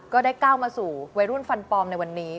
ก้าวมาสู่วัยรุ่นฟันปลอมในวันนี้